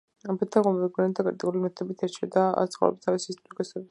ბედა გულმოდგინედ და კრიტიკული მეთოდით არჩევდა წყაროებს თავისი ისტორიისათვის.